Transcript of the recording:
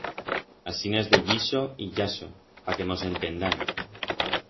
Asinas de lliso y llaso, pa que mos entendam.